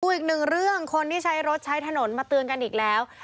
อีกหนึ่งเรื่องคนที่ใช้รถใช้ถนนมาเตือนกันอีกแล้ว